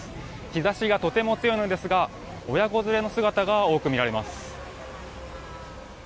日差しがとても強いですが親子連れの姿が多く見られます。